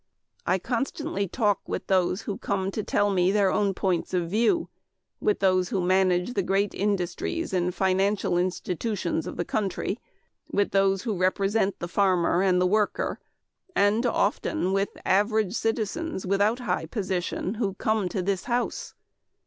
I constantly talk with those who come to tell me their own points of view; with those who manage the great industries and financial institutions of the country; with those who represent the farmer and the worker; and often with average citizens without high position who come to this house.